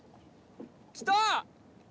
来た！